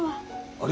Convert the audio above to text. あれ？